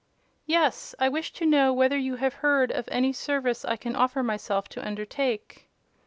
"Yes; I wish to know whether you have heard of any service I can offer myself to undertake?"